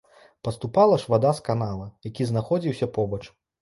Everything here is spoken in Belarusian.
Паступала ж вада з канала, які знаходзіўся побач.